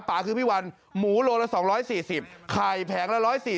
ป่าคือพี่วันหมูโลละ๒๔๐ไข่แผงละ๑๔๐